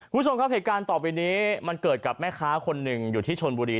คุณผู้ชมครับเหตุการณ์ต่อไปนี้มันเกิดกับแม่ค้าคนหนึ่งอยู่ที่ชนบุรี